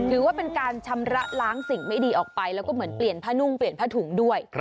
ถือว่าเป็นการชำระล้างสิ่งไม่ดีออกไปแล้วก็เหมือนเปลี่ยนผ้านุ่งเปลี่ยนผ้าถุงด้วย